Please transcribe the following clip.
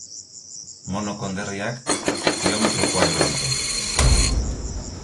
Mono konderriak kilometro koadro ditu.